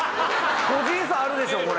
個人差あるでしょこれ。